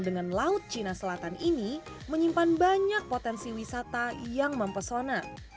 dengan laut cina selatan ini menyimpan banyak potensi wisata yang mempesona